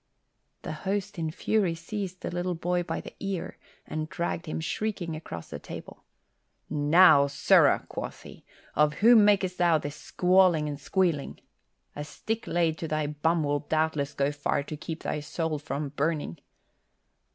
The host in fury seized the little boy by the ear and dragged him shrieking across the table. "Now, sirrah," quoth he, "of whom mak'st thou this squalling and squealing? A stick laid to thy bum will doubtless go far to keep thy soul from burning."